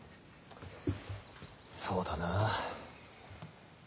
そうだな。